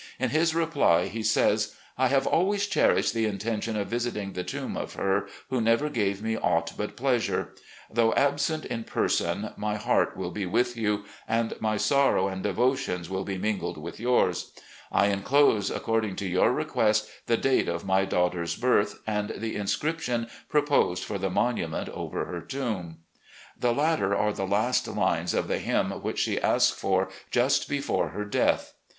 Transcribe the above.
In his reply, he says :"... I have always cherished the intention of visiting the tomb of her who never gave me aught but pleasure; ... Though absent in person, my heart will be with you, and my sorrow and devotions will be mingled with yours. ... I inclose, according to your request, the date of my daughter's birth and the inscription proposed for the monument over her tomb. ARMY LIFE OF ROBERT THE YOUNGER 8i The latter are the last lines of the hymn which she asked for just before her death."